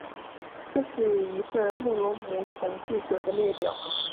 这是一份穆罗姆统治者的列表。